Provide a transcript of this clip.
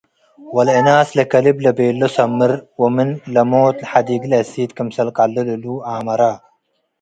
ወለእናስ ለከልብ ለቤሎ ሰምር፡ ወምን ለሞት ሐዲግለ እሲ'ት ክምሰል ቀልል እሉ ኣመረ።